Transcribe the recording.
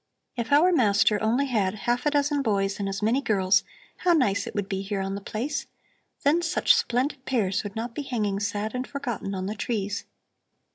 "If our master only had half a dozen boys and as many girls, how nice it would be here on the place. Then such splendid pears would not be hanging sad and forgotten on the trees."